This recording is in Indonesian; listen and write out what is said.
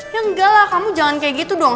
ya enggak lah kamu jangan kayak gitu dong